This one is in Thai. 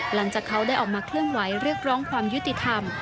หลังจากเขาได้ออกมาเคลื่อนไหวเรียกร้องความยุติธรรม